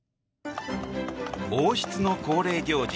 王室の恒例行事